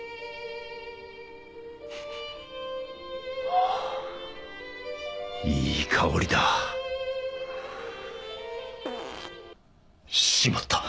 ああいい香りだしまった！